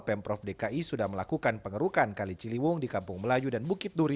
pemprov dki sudah melakukan pengerukan kali ciliwung di kampung melayu dan bukit duri